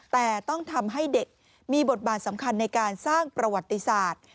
แต่ต้องทำให้เด็กมีบทบาทสำคัญในการสร้างประวัติศาสตร์